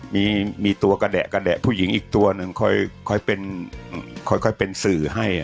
มีตัวกระแดะผู้หญิงอีกตัวหนึ่งค่อยเป็นสื่อให้